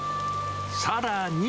さらに。